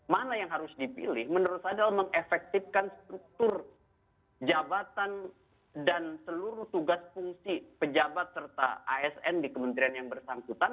mana yang harus dipilih menurut saya adalah mengefektifkan struktur jabatan dan seluruh tugas fungsi pejabat serta asn di kementerian yang bersangkutan